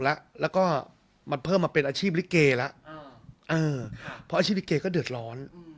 แล้วก็มันเพิ่มมาเป็นอาชีพลิเกแล้วเพราะอาชีพลิเกก็เดือดร้อน